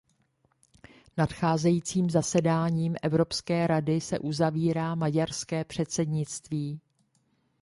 Nadcházejícím zasedáním Evropské rady se uzavírá maďarské předsednictví.